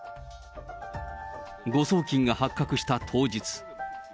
誤送金が発覚した当日。